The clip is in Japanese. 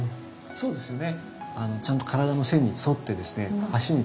そうですね。